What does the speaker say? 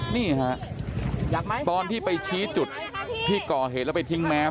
นี่ฮะตอนที่ไปชี้จุดที่ก่อเหตุแล้วไปทิ้งแมส